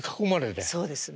そうです。